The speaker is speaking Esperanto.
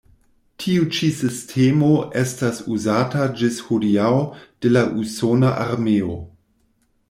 Tiu ĉi sistemo estas uzata ĝis hodiaŭ de la usona armeo.